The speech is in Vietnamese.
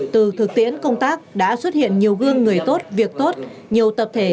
từ thực tiễn công tác đã xuất hiện nhiều gương người tốt việc tốt nhiều tập thể